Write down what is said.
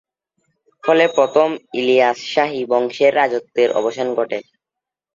ফলে প্রথম ইলিয়াস শাহী বংশের রাজত্বের অবসান ঘটে।